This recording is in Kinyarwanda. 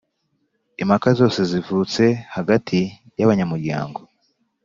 Impaka zose zivutse hagati y abanyamuryango